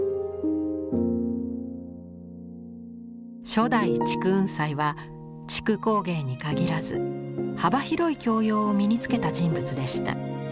初代竹雲斎は竹工芸に限らず幅広い教養を身に付けた人物でした。